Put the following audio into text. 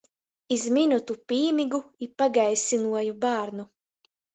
Iz minutu pīmygu i pagaisynuoju bārnu...